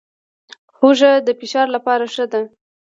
هوږه د فشار لپاره ښه ده